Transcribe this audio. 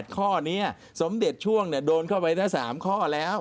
ข้อนี้สมเด็จช่วงโดนเข้าไป๓ข้อแล้ว